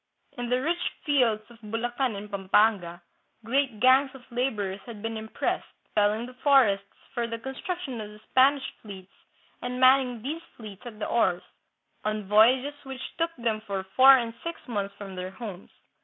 In the rich fields of Bulacan and Pampanga, great gangs of laborers had been im pressed, felling the forests for the construction of the Spanish fleets and manning these fleets at the oars, on voyages which took them for four and six months from their homes.